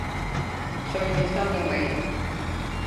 所以你收到未？